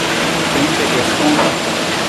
Shuinte Cuespombi